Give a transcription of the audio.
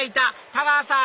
太川さん